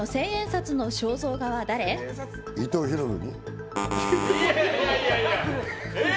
伊藤博文？